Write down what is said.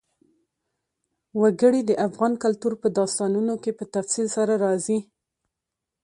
وګړي د افغان کلتور په داستانونو کې په تفصیل سره راځي.